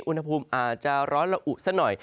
อุณหภูมิอาจจะร้อนละอุซะหน่อย